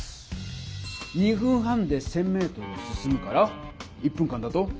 ２分半で１０００メートル進むから１分間だと？